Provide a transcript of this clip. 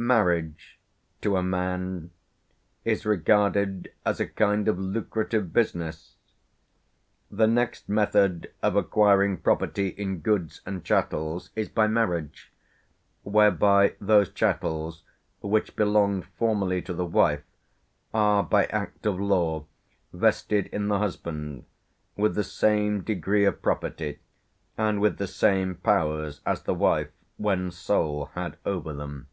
Marriage, to a man, is regarded as a kind of lucrative business: "The next method of acquiring property in goods and chattels is by marriage; whereby those chattels, which belonged formerly to the wife, are by act of law vested in the husband, with the same degree of property, and with the same powers, as the wife, when sole, had over them...